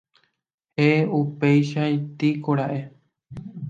Héẽ, upéichatikora'e